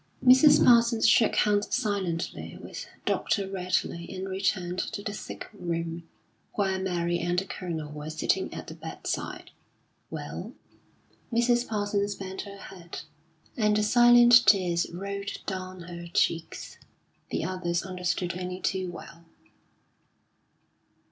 Mrs. Parsons shook hands silently with Dr. Radley and returned to the sick room, where Mary and the Colonel were sitting at the bedside. "Well?" Mrs. Parsons bent her head, and the silent tears rolled down her cheeks. The others understood only too well.